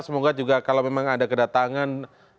semoga juga kalau memang ada kedatangan